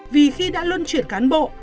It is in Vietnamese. vì khi đã luân chuyển cán bộ